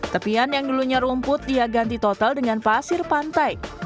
tepian yang dulunya rumput dia ganti total dengan pasir pantai